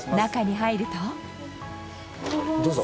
どうぞ。